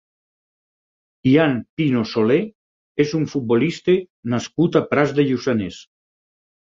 Ian Pino Soler és un futbolista nascut a Prats de Lluçanès.